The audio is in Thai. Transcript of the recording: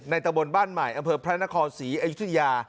ตะบนบ้านใหม่อำเภอพระนครศรีอยุธยา